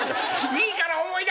いいから思い出せ。